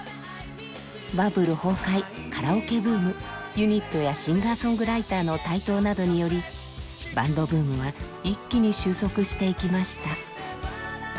バブル崩壊カラオケブームユニットやシンガーソングライターの台頭などによりバンドブームは一気に収束していきました。